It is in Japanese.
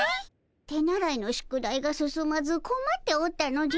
手習いの宿題が進まずこまっておったのじゃ。